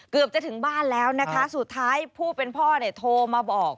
เกือบจะถึงบ้านแล้วนะคะสุดท้ายผู้เป็นพ่อเนี่ยโทรมาบอก